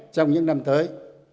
trong những năm tới